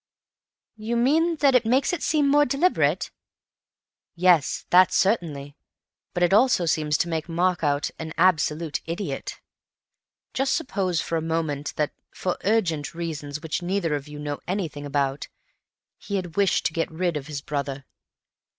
"You mean that it makes it seem more deliberate?" "Yes; that, certainly. But it also seems to make Mark out an absolute idiot. Just suppose for a moment that, for urgent reasons which neither of you know anything about, he had wished to get rid of his brother.